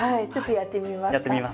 やってみます。